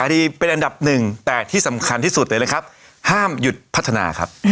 ดีเป็นอันดับหนึ่งแต่ที่สำคัญที่สุดเลยนะครับห้ามหยุดพัฒนาครับ